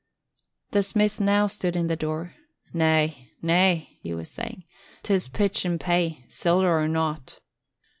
The smith now stood in the door. "Na, na," he was saying, "'tis pitch an' pay siller or nought.